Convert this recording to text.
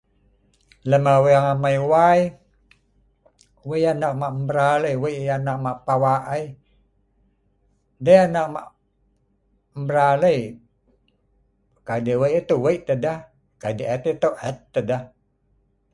Lem Aweng amai wai, wei anak mak mral wei yah anak mak pawak ai, dei anak mak mral ai kai deh wei tau wei tah deh nga deh et tau et tah deh